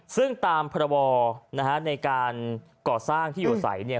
ซึ่งตามพระบอในการก่อสร้างที่อยู่ใสเนี่ย